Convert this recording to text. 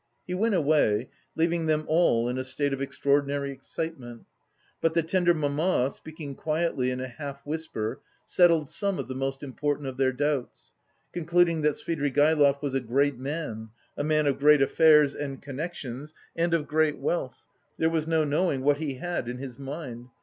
He went away, leaving them all in a state of extraordinary excitement, but the tender mamma, speaking quietly in a half whisper, settled some of the most important of their doubts, concluding that Svidrigaïlov was a great man, a man of great affairs and connections and of great wealth there was no knowing what he had in his mind.